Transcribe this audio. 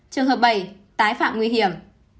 trường hợp bảy tái phạm nguy hiểm